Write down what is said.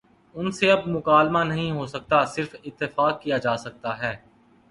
ان سے اب مکالمہ نہیں ہو سکتا صرف اتفاق کیا جا سکتا ہے۔